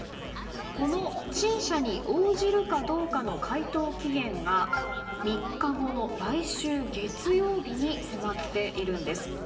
この陳謝に応じるかどうかの回答期限が３日後の来週月曜日に迫っているんです。